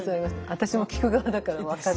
私も聞く側だから分かる。